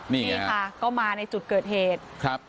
นี่ค่ะก็มาในจุดเกิดเหตุครับ